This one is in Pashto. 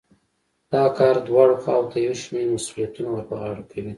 دا کار دواړو خواوو ته يو شمېر مسوليتونه ور په غاړه کوي.